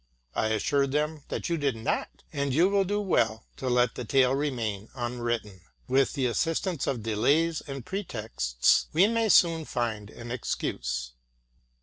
I assured them that you did not, and you will do well to let the tale remain unwritten. With the assistance of delays and pretexts, we may soon find an excuse."